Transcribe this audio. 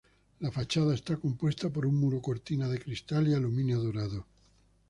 La fachada está compuesta por un muro cortina de cristal y aluminio dorado.